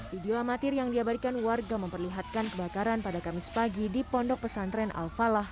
video amatir yang diabadikan warga memperlihatkan kebakaran pada kamis pagi di pondok pesantren al falah